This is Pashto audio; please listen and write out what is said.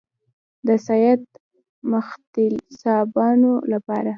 د سید مخلصانو لپاره.